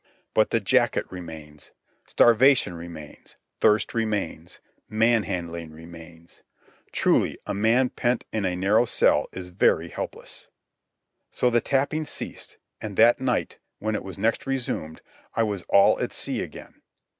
But the jacket remains. Starvation remains. Thirst remains. Man handling remains. Truly, a man pent in a narrow cell is very helpless. So the tapping ceased, and that night, when it was next resumed, I was all at sea again.